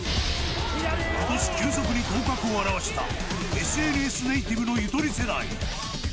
今年、急速に頭角を現したＳＮＳネイティブのゆとり世代。